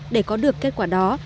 để có được kết quả đó